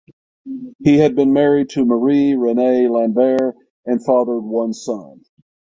He had been married to Marie Reine Lambert and fathered one son.